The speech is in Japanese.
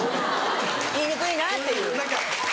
言いにくいなっていう。